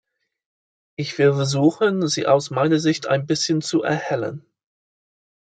Ich will versuchen, sie aus meiner Sicht ein bisschen zu erhellen.